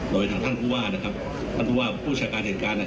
โดยทางท่านผู้ว่านะครับท่านผู้ว่าผู้จัดการเหตุการณ์